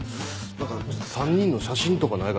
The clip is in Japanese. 何か３人の写真とかないかな？